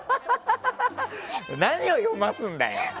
何を読ませるんだよ！